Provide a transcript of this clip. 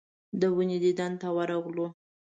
د ونې دیدن ته ورغلو.